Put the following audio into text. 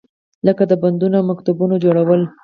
لکه د بندونو او مکتبونو جوړول.